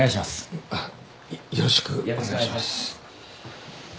あっよっよろしくお願いします。